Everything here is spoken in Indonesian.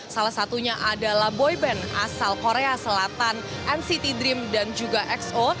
salah satunya adalah boyband asal korea selatan nct dream dan juga xo